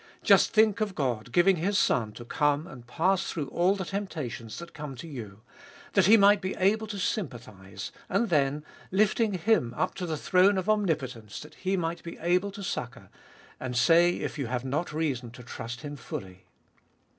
Just think of God giving His Son to come and pass through all the temptations that come to you, that He might be able to sympathise, and then lifting Him up to the throne of omnipo tence that He might be able to succour, and say if you have not reason to trust Him fully.